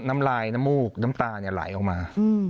น้ำลายน้ำมูกน้ำตาไหลออกมา